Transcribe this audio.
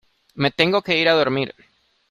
me tengo que ir a dormir.